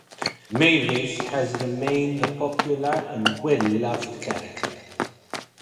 Mavis has remained a popular and well-loved character.